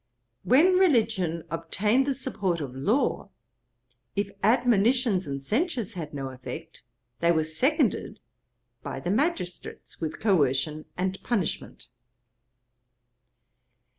When religion obtained the support of law, if admonitions and censures had no effect, they were seconded by the magistrates with coercion and punishment.